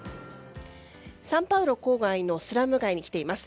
サンパウロ郊外のスラム街に来ています。